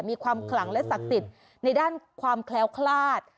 มีความขลังและศักดิตในด้านความแคล้วคลาด